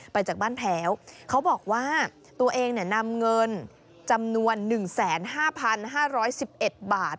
จากบ้านแพ้วเขาบอกว่าตัวเองนำเงินจำนวน๑๕๕๑๑บาท